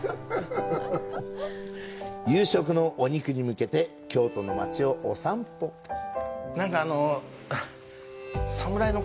夕食のお肉に向けて京都の町をお散歩です。